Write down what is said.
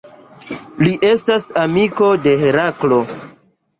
Li estis amiko de Heraklo.